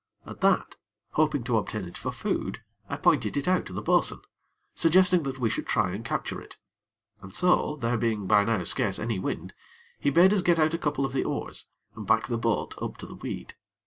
At that, hoping to obtain it for food, I pointed it out to the bo'sun, suggesting that we should try and capture it. And so, there being by now scarce any wind, he bade us get out a couple of the oars, and back the boat up to the weed.